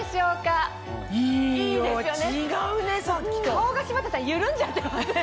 顔が柴田さん緩んじゃって。